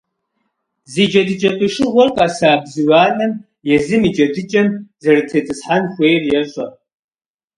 Зи джэдыкӀэ къишыгъуэр къэса бзу анэм езым и джэдыкӀэм зэрытетӀысхьэн хуейр ещӀэ.